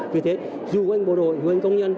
vì thế dù anh bộ đội dù anh công nhân